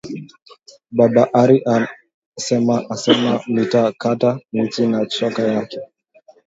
Baba ari sema asema mita kata michi na shoka yake